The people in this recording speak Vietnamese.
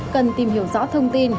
cần tìm hiểu rõ thông tin